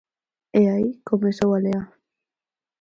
E aí comezou a lea.